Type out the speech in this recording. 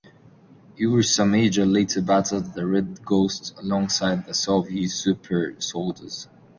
Ursa Major later battled the Red Ghost alongside the Soviet Super-Soldiers.